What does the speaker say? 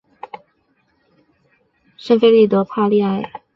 圣费利德帕利埃。